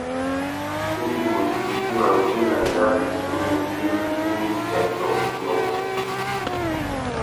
Indi mutu idjima ngüi andjara rissú, nukí nù fitimú ubia tô ukumba wussafia.